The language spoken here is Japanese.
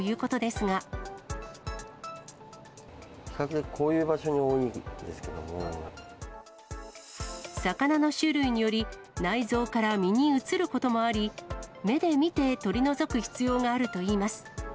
比較的こういう場所に多いん魚の種類により、内臓から身に移ることもあり、目で見て、取り除く必要があるといいます。